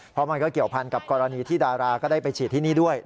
เพราะมันก็เกี่ยวพันกับกรณีที่ดาราก็ได้ไปฉีดที่นี่ด้วย